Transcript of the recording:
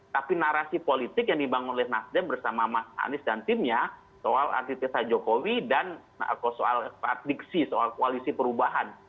tapi narasi politik yang dibangun oleh nasdem bersama mas anies dan timnya soal antitesa jokowi dan soal diksi soal koalisi perubahan